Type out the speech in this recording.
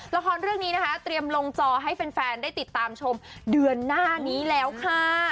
ละครเรื่องนี้นะคะเตรียมลงจอให้แฟนได้ติดตามชมเดือนหน้านี้แล้วค่ะ